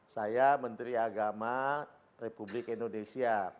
saya menteri agama republik indonesia